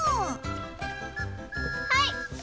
はい。